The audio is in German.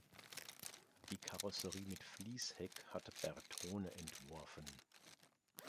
Die Karosserie mit Fließheck hatte Bertone entworfen.